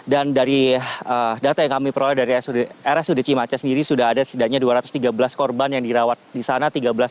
dan dari data yang kami peroleh dari area sudut cimacan sendiri sudah ada sedangnya dua ratus tiga belas korban yang dirawat di sana